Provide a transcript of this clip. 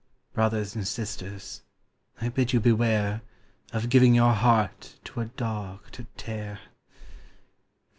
Brothers and sisters, I bid you beware Of giving your heart to a dog to tear.